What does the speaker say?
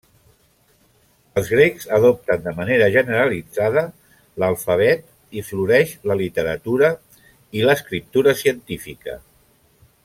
Els grecs adopten de manera generalitzada l'alfabet i floreix la literatura i l'escriptura científica.